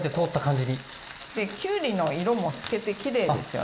できゅうりの色も透けてきれいですよね。